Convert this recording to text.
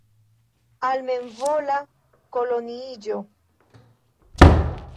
Al memvola koloniiĝo.